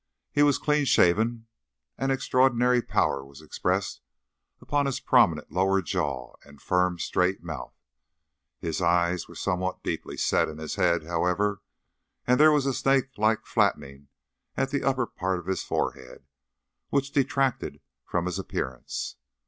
He was clean shaven, and extraordinary power was expressed upon his prominent lower jaw and firm, straight mouth. His eyes were somewhat deeply set in his head, however, and there was a snake like flattening at the upper part of his forehead, which detracted from his appearance.